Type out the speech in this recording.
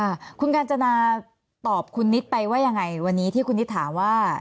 ค่ะคุณกาญจนาตอบคุณนิดไปว่ายังไงวันนี้ที่คุณนิดถามว่า